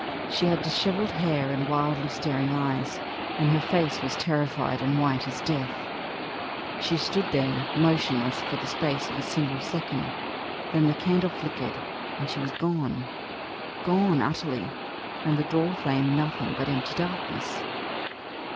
She had dishevelled hair and wildly staring eyes, and her face was terrified and white as death. She stood there motionless for the space of a single second. Then the candle flickered and she was gone gone utterly and the door framed nothing but empty darkness.